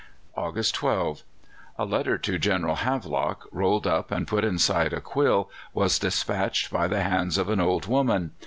August 12. A letter to General Havelock, rolled up and put inside a quill, was despatched by the hands of an old woman.